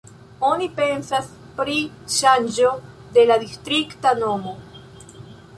Oni pensas pri ŝanĝo de la distrikta nomo.